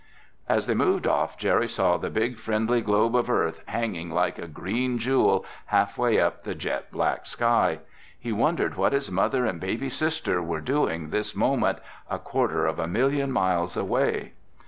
As they moved off Jerry saw the big friendly globe of Earth hanging like a green jewel halfway up the jet black sky. He wondered what his mother and baby sister were doing this moment a quarter of a million miles away.